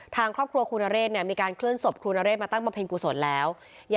ทางครอบครัวครูนเรศมีการเคลื่อนศพครูนเรศมาตั้งบำเพ็ญกุศลแล้ว